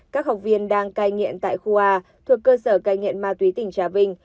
các học viên đang cai nghiện tại khu a thuộc cơ sở cai nghiện ma túy tỉnh trà vinh